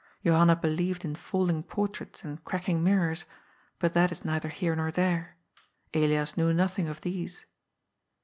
Johanna believed in falling portraits and cracking mirrors, but that is neither here nor there. Elias knew nothing of these.